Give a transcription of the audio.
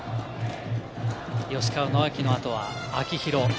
吉川尚輝の後は秋広。